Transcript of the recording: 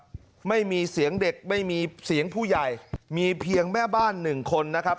ไม่มีเสียงเด็กไม่มีเสียงผู้ใหญ่มีเพียงแม่บ้านหนึ่งคนนะครับ